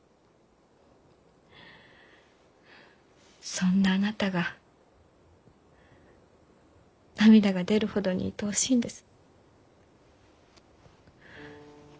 そんなあなたが涙が出るほどにいとおしいんです。